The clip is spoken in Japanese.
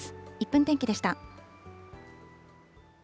１分天気でした。